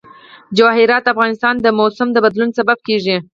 جواهرات د افغانستان د موسم د بدلون سبب کېږي.